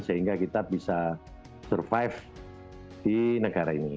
sehingga kita bisa survive di negara ini